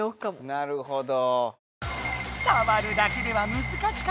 なるほど。